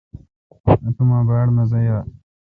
اتوما باڑ مزہ یال۔